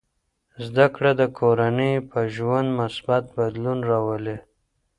زده کړه د کورنۍ په ژوند مثبت بدلون راولي.